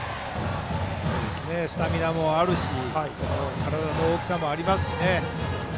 スタミナもあるし体の大きさもありますしね。